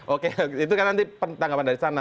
oke itu kan nanti tanggapan dari sana